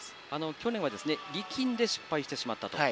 去年は力んで失敗してしまったと。